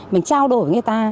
mình trao đồ cho người ta